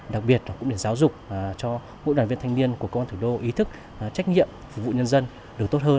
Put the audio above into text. đặc biệt là cũng để giáo dục cho mỗi đoàn viên thanh niên của công an thủ đô ý thức trách nhiệm phục vụ nhân dân được tốt hơn